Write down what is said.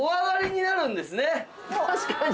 確かに！